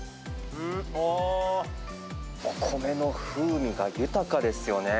おー、お米の風味が豊かですよね。